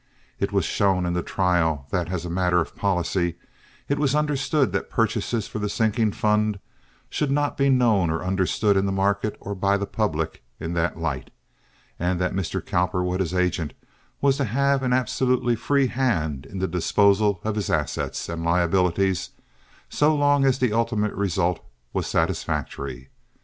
It was shown in the trial that as a matter of policy it was understood that purchases for the sinking fund should not be known or understood in the market or by the public in that light, and that Mr. Cowperwood as agent was to have an absolutely free hand in the disposal of his assets and liabilities so long as the ultimate result was satisfactory.